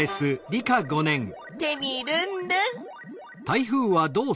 テミルンルン！